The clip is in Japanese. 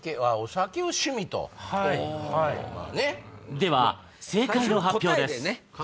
では正解の発表です。